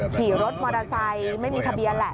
ขี่รถมอเตอร์ไซค์ไม่มีทะเบียนแหละ